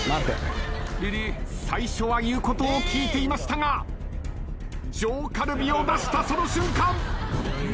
最初は言うことを聞いていましたが上カルビを出したその瞬間。